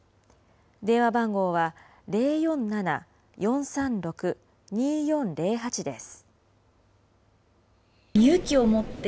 電話番号は、０４７ー４３６ー２４０８です。